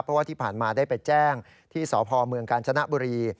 เพราะว่าที่ผ่านมาได้ไปแจ้งที่สพเมืองกาญจนบุรี